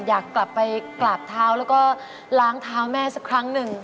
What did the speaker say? อยากกลับไปกราบเท้าแล้วก็ล้างเท้าแม่สักครั้งหนึ่ง